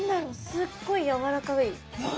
すっごいやわらかい。